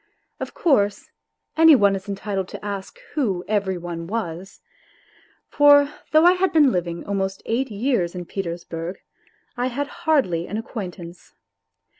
Of course, any one is entitled to ask who " every oiifi^_jras. For though I had been living almost eight years in Petersburg I had hardly an acquaintance